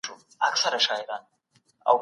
حکومتونه به د وګړو غوښتنو ته غوږ نیسي.